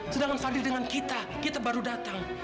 sedangkan fadil dengan kita kita baru datang